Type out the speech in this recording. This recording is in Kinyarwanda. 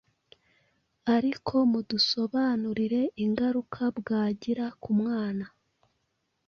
ariko mudusobanurire ingaruka bwagira kumwana